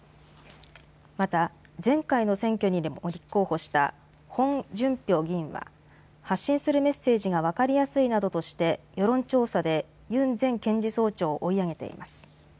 また前回の選挙にも立候補した、ホン・ジュンピョ議員は発信するメッセージが分かりやすいなどとして、世論調査でユン前検事総長を追い上げています。